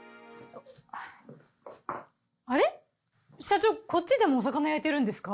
あれ社長こっちでもお魚焼いてるんですか？